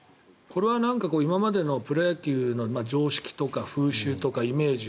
これは今までのプロ野球の常識とか風習とかイメージ